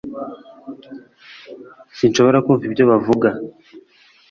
sinshobora kumva ibyo bavuga